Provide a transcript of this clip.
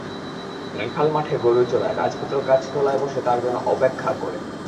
রাখাল মাঠে গরু চরায়, রাজপুত্র গাছতলায় বসে তার জন্য অপেক্ষা করে।